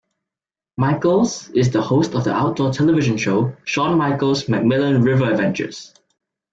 Michaels is the host of the outdoor television show, "Shawn Michaels' MacMillan River Adventures".